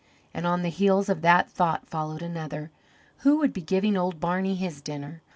And on the heels of that thought followed another: who would be giving old Barney his dinner?